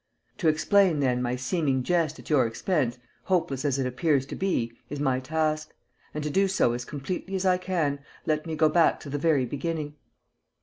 To explain, then, my seeming jest at your expense, hopeless as it appears to be, is my task; and to do so as completely as I can, let me go back to the very beginning.